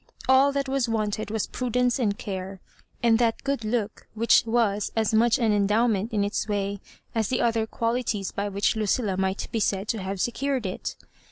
All that was wanted was pradence and care, and that good look which was as much an endowment in its way as the' other qnaUties by which Lucilla might be said to have seeured it.